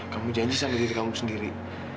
kamu janji sama diri kamu sendiri